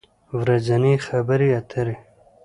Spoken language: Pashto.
ورځنۍ خبری اتری